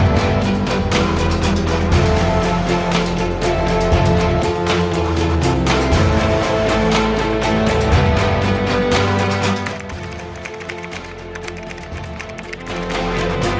มันทำได้นะยืนยืนยืนยืน